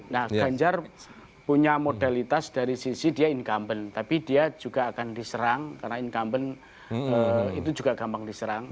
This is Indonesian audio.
nah ganjar punya modalitas dari sisi dia incumbent tapi dia juga akan diserang karena incumbent itu juga gampang diserang